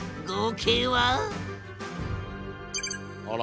あら。